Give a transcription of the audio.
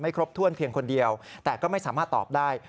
ครบถ้วนเพียงคนเดียวแต่ก็ไม่สามารถตอบได้